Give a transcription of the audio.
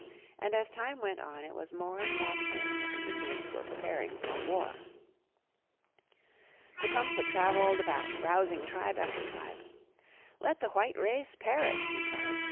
And as time went on it was more and more plain that the Indians were preparing for war. Tecumseh traveled about rousing tribe after tribe. "Let the white race perish," he cried.